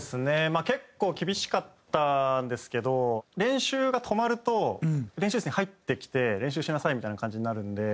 まあ結構厳しかったんですけど練習が止まると練習室に入ってきて練習しなさいみたいな感じになるので。